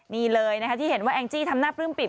นี่เลยนะคะที่เห็นว่าแองจี้ทำหน้าปลื้มปิ่